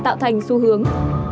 tạo thành xu hướng